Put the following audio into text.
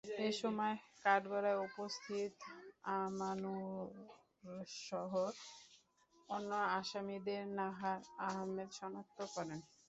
এ সময় কাঠগড়ায় উপস্থিত আমানুরসহ অন্য আসামিদের নাহার আহমেদ শনাক্ত করেন।